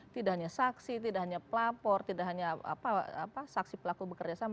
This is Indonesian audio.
tidak hanya saksi tidak hanya pelapor tidak hanya saksi pelaku bekerja sama